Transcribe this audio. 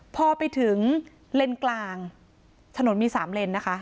พอไปถึงเลนส์กลางถนนมี๓เลนนะคะ